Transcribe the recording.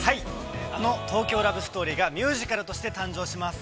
◆あの「東京ラブストーリー」がミュージカルとして誕生します。